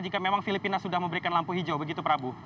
jika memang filipina sudah memberikan lampu hijau begitu prabu